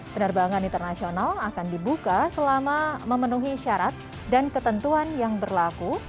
penerbangan internasional akan dibuka selama memenuhi syarat dan ketentuan yang berlaku